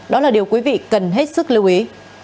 đó là điều quý vị cần hết sức lưu ý